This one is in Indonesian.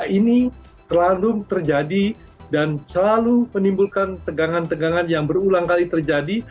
ini terlalu terjadi dan selalu menimbulkan tegangan tegangan yang berulang kali terjadi